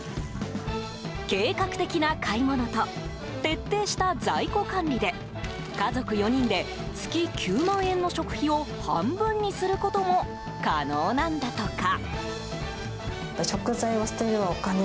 計画的な買い物と徹底した在庫管理で家族４人で月９万円の食費を半分にすることも可能なんだとか。